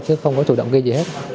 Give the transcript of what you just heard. chứ không có chủ động ghi gì hết